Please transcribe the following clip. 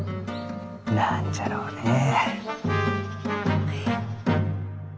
何じゃろうねえ？